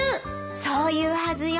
そう言うはずよ。